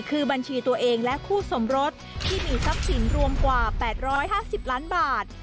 คือบัญชีตัวเองและคู่สมรสที่มีทรัพย์สินรวมกว่า๘๕๐ล้านบาท